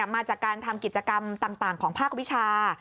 มาจากการทำกิจกรรมต่างของภาควิชา